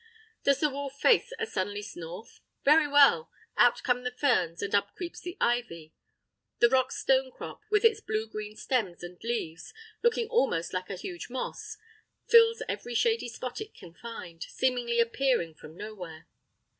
Does the wall face a sunless north? Very well; out come the ferns and up creeps the ivy; the Rock Stonecrop, with its blue green stems and leaves (looking almost like a huge moss) fills every shady spot it can find, seemingly appearing from nowhere.